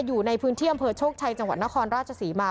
อยู่ในพื้นที่อำเภอโชคชัยจังหวัดนครราชศรีมา